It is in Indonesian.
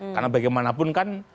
karena bagaimanapun kan